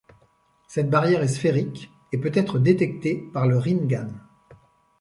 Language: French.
Cette barrière est sphérique, et peut être détectée par le Rinnegan.